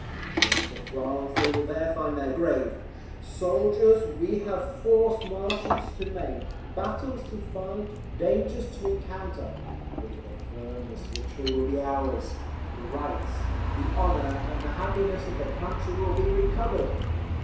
If they enter France they will there find their grave. "Soldiers! we have forced marches to make, battles to fight, dangers to encounter; but, with firmness victory will, be ours. The rights, the honour, and the happiness of the country will be recovered!